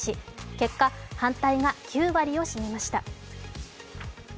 結果、反対が９割を占めました。